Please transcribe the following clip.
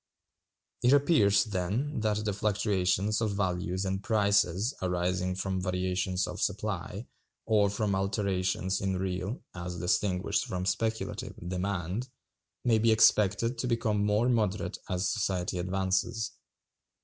It appears, then, that the fluctuations of values and prices arising from variations of supply, or from alterations in real (as distinguished from speculative) demand, may be expected to become more moderate as society advances.